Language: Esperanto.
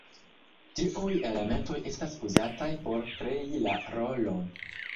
Tiuj elementoj estas uzataj por krei la rolon.